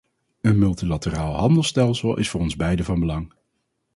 Een multilateraal handelsstelsel is voor ons beiden van belang.